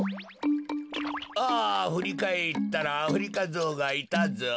ああふりかえったらアフリカゾウがいたゾウ。